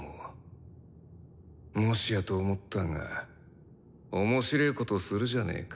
もしやと思ったが面白ぇことするじゃねぇか。